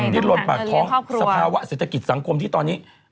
ดิ้นลนปากท้องสภาวะเศรษฐกิจสังคมที่ตอนนี้